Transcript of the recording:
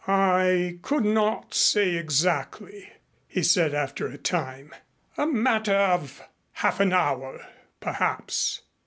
"I could not say exactly," he said after a time. "A matter of half an hour perhaps."